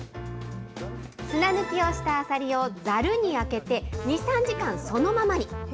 砂抜きをしたアサリをざるにあけて、２、３時間そのままに。